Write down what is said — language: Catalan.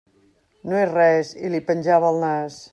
No és res, i li penjava el nas.